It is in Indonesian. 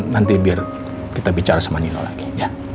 nanti biar kita bicara sama nino lagi